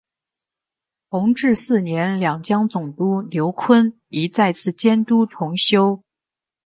同治四年两江总督刘坤一再次监督重修。